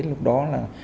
lúc đó là